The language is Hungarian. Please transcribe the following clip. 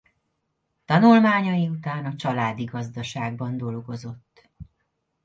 Tanulmányai után a családi gazdaságban dolgozott.